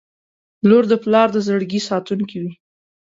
• لور د پلار د زړګي ساتونکې وي.